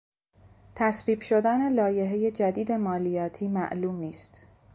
تصویب شدن لایحهی جدید مالیاتی معلوم نیست.